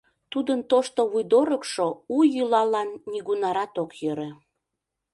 Тудын тошто вуйдорыкшо у йӱлалан нигунарат ок йӧрӧ.